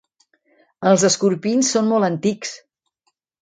Els escorpins són molt antics.